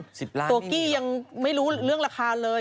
๑๐ล้านไม่มีหรอตัวกี้ยังไม่รู้เรื่องราคาเลย